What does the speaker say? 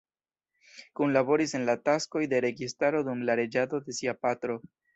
Kunlaboris en la taskoj de registaro dum la reĝado de sia patro.